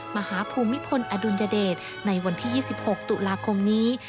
ภูมิพลอดุลยเดชในวันที่๒๖ตุลาคมนี้